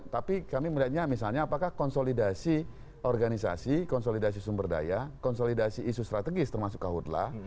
tapi kami melihatnya misalnya apakah konsolidasi organisasi konsolidasi sumber daya konsolidasi isu strategis termasuk kahutlah